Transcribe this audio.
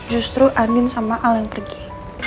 justru anin sama al yang pergi